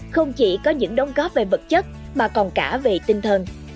không chỉ có những đóng góp về vật chất mà còn cả về tinh thần